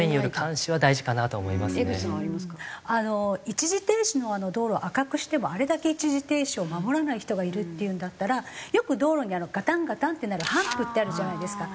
一時停止のあの道路赤くしてもあれだけ一時停止を守らない人がいるっていうんだったらよく道路にガタンガタンってなるハンプってあるじゃないですか。